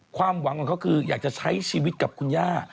ความหวังของเขาคืออยากจะใช้ชีวิตกับคุณย่า